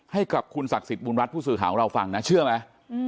ให้กับคุณศักดิ์สิทธิบุญรัฐผู้สื่อข่าวของเราฟังนะเชื่อไหม